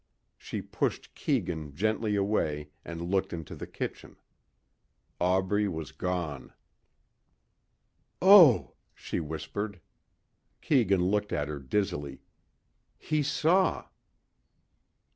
She pushed Keegan gently away and looked into the kitchen. Aubrey was gone. "Oh," she whispered. Keegan looked at her dizzily. "He saw...."